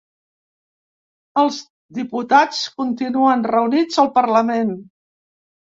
Els diputats continuen reunits al parlament.